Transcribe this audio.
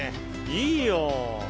いいよ！